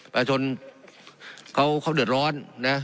ประชาชนเขาเดือดร้อนนะ